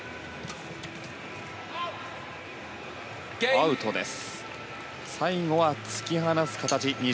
アウトです。